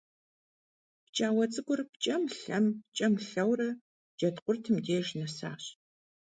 ПкӀауэ цӀыкӀур пкӀэм-лъэм, пкӀэм-лъэурэ Джэд къуртым деж нэсащ.